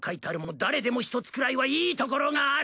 誰でも一つくらいはいいところがある！